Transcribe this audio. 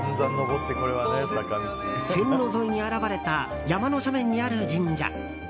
線路沿いに現れた山の斜面にある神社。